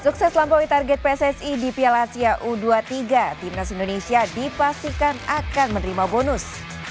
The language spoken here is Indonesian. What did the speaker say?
sukses melampaui target pssi di piala asia u dua puluh tiga timnas indonesia dipastikan akan menerima bonus